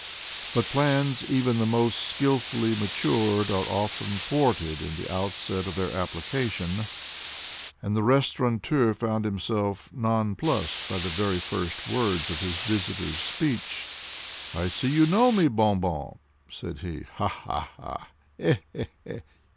But plans even the most skilfully matured are often thwarted in the outset of their application—and the restaurateur found himself nonplussed by the very first words of his visitor's speech. "I see you know me, Bon Bon," said he; "ha! ha! ha!